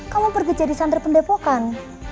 kamu pergi jadi santri pendepokan